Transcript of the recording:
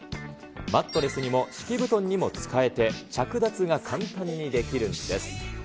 マットレスにも敷布団にも使えて、着脱が簡単にできるんです。